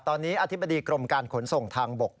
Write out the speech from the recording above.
ตอนนี้อธิบดีกรมการขนส่งทางบก